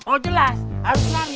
oh jelas harus lari